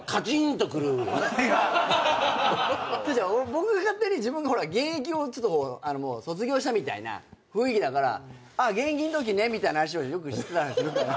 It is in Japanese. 僕が勝手に自分が現役を卒業したみたいな雰囲気だから「あっ現役のときね」みたいな話をよくしてたりするから。